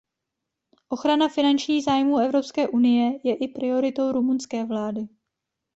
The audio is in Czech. Ochrana finančních zájmů Evropské unie je i prioritou rumunské vlády.